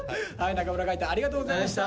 中村海人ありがとうございました。